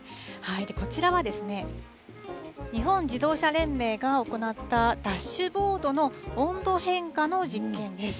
こちらは、日本自動車連盟が行ったダッシュボードの温度変化の実験です。